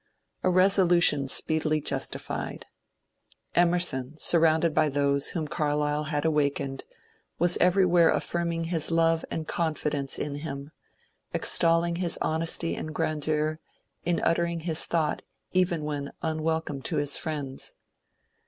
A resolution speedily justified. Emerson, sur rounded by those whom Carlyle had awakened, was every where affirming his love and confidence in him, extolling his honesty and grandeur in uttering his thought even when unwelcome to his friends.